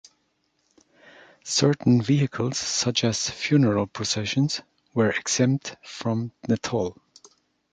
Certain vehicles, such as funeral processions, were exempt from the toll.